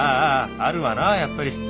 あるわなやっぱり。